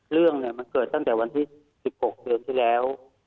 เรื่องมันเกิดตั้งแต่วันที่๑๖เดือนที่แล้ว